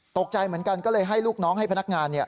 ตกใจเหมือนกันก็เลยให้ลูกน้องให้พนักงาน